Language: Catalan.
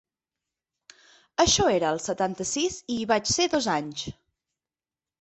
Això era el setanta-sis i hi vaig ser dos anys.